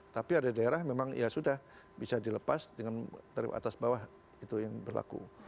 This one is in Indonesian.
tapi ada daerah memang ya sudah bisa dilepas dengan tarif atas bawah itu yang berlaku